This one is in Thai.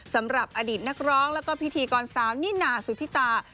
สำหรับอดีตนักร้องแล้วก็พิธีกรสาวนิน่าสุธิตา